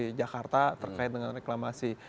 pemerintah jakarta akan memiliki kekuatan yang sangat baik